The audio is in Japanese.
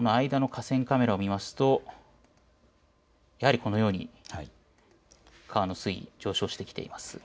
この間の河川カメラを見るとやはりこのように川の水位が上昇してきています。